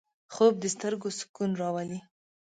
خوب د سترګو سکون راولي